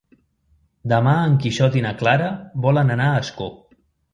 Demà en Quixot i na Clara volen anar a Ascó.